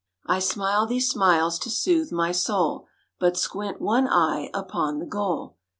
(I smile these smiles to soothe my soul, But squint one eye upon the goal.)